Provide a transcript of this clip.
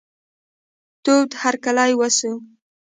تود هرکلی وسو.